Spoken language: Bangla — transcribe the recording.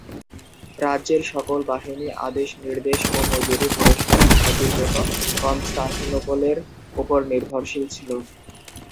রাজ্যের সকল বাহিনী আদেশ-নির্দেশ ও মজুরি, পুরস্কার ইত্যাদির জন্য কনস্টান্টিনোপলের ওপর নির্ভরশীল ছিল।